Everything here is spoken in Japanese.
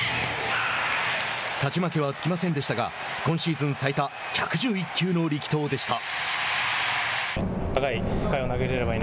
勝ち負けはつきませんでしたが今シーズン最多１１１球の力投でした。